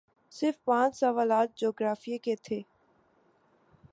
صرف پانچ سوالات جغرافیے کے تھے